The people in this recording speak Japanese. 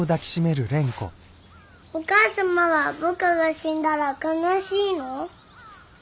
お母様は僕が死んだら悲しいの？